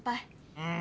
うん。